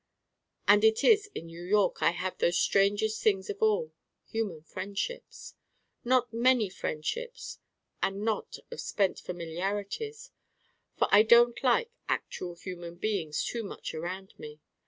And it is in New York I have those strangest things of all: human friendships. Not many friendships and not of spent familiarities: for I don't like actual human beings too much around me.